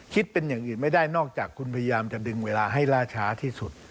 คิดเป็นอย่างอื่นไม่ได้นอกจากคุณพยายามจะดึงเวลาให้ล่าช้าที่สุด